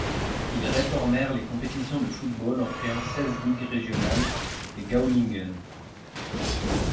Ils réformèrent les compétitions de football en créant seize ligues régionales, les Gauligen.